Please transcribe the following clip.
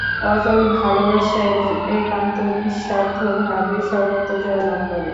অটল ভালবাসা ও একান্ত নিঃস্বার্থ ভাবই সর্বত্র জয়লাভ করে।